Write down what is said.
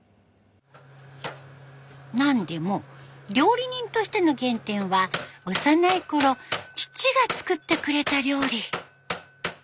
なんでも料理人としての原点は幼いころ父が作ってくれた料理。